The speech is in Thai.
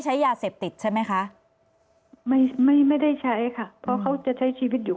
ใช้ยาเสพติดใช่ไหมคะไม่ไม่ไม่ได้ใช้ค่ะเพราะเขาจะใช้ชีวิตอยู่